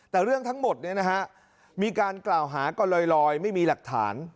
แต่เรื่องทั้งหมดมีการกล่าวหาก็ลอยไม่มีหลักฐาน